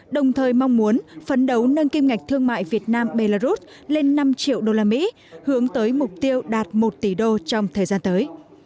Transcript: đồng thời mong muốn phấn đấu nâng kim ngạch thương mại việt nam belarus lên năm triệu usd hướng tới mục tiêu đạt một tỷ đô trong thời gian tới